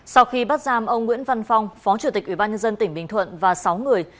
sau khi bắt giam ông nguyễn văn phong phó chủ tịch ubnd tỉnh bình thuận và sáu người